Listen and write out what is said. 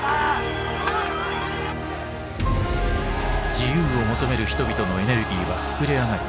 自由を求める人々のエネルギーは膨れあがり